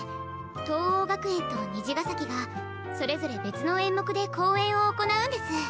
藤黄学園と虹ヶ咲がそれぞれ別の演目で公演を行うんです。